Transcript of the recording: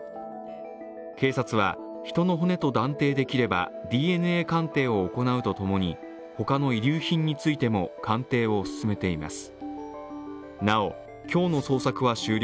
警察は人の骨と断定できればＤＮＡ鑑定を行うと共に、他の遺留品についても鑑定を進めています。